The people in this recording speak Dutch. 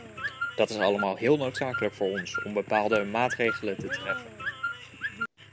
Dat is allemaal heel noodzakelijk voor ons om bepaalde maatregelen te treffen.